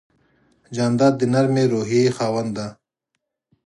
جانداد د نرمې روحیې خاوند دی.